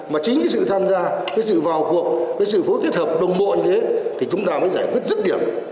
mà chính sự tham gia sự vào cuộc sự phối kết hợp đồng bộ như thế thì chúng ta mới giải quyết rất điểm